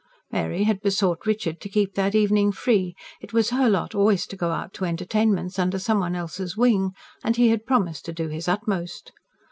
Mary had besought Richard to keep that evening free it was her lot always to go out to entertainments under some one else's wing and he had promised to do his utmost.